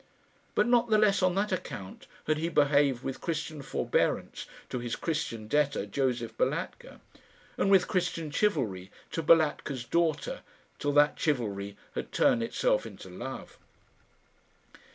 But not the less on that account had he behaved with Christian forbearance to his Christian debtor, Josef Balatka, and with Christian chivalry to Balatka's daughter, till that chivalry had turned itself into love.